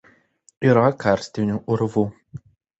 Yra karstinių urvų.